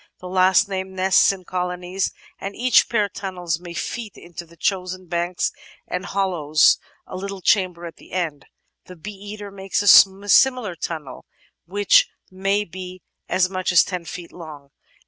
The last named nests in colonies, and each pair tunnels many feet into the chosen bank and hollows a little chamber at the end ; the Bee eater makes a similar tunnel, which may be as much as ten feet long.